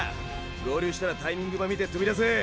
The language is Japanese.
合流したらタイミングば見てとび出せ！